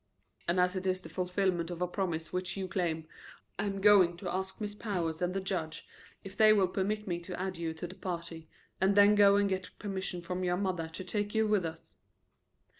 "And as it is the fulfillment of a promise which you claim, I am going to ask Miss Powers and the judge if they will permit me to add you to the party, and then go and get permission from your mother to take you with us."